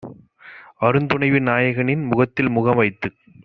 அருந்துணைவி நாயகனின் முகத்தில்முகம் வைத்துக்